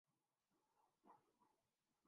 تقریبا نیم دراز بینک منیجر نے